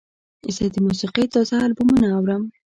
زه د موسیقۍ تازه البومونه اورم.